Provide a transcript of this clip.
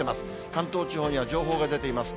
関東地方には情報が出ています。